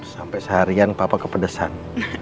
sampai seharian papa kepedesan